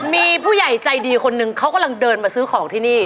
มีผู้ใหญ่ใจดีคนหนึ่งเขากำลังเดินมาซื้อของที่นี่